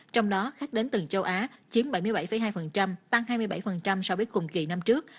trong đó khách đến từ châu á chiếm bảy mươi bảy hai tăng hai mươi bảy so với cùng kỳ năm trước